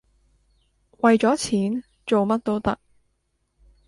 為咗錢，做乜都得